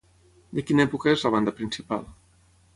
De quina època és la banda principal?